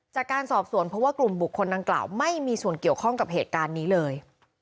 จากการสอบสวนเพราะว่ากลุ่มบุคคลดังกล่าวไม่มีส่วนเกี่ยวข้องกับเหตุการณ์นี้เลย